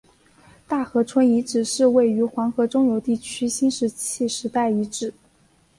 大河村遗址是位于黄河中游地区的新石器时代遗址。